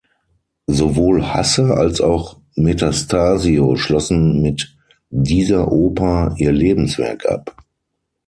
Sowohl Hasse als auch Metastasio schlossen mit dieser Oper ihr Lebenswerk ab.